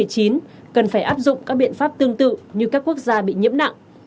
cần phải áp dụng các biện pháp tương tự như các quốc gia bị nhiễm nặng